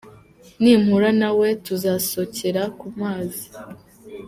Nimpura nawe tuzasokera ku mazi.